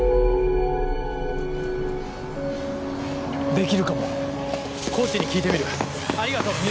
できるかもコーチに聞いてみるありがとう二宮さん。